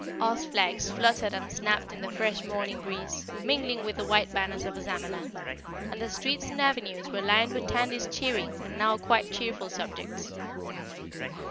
Oz flags fluttered and snapped in the fresh morning breeze, mingling with the white banners of Ozamaland, and the streets and avenues were lined with Tandy's cheering and now quite cheerful subjects.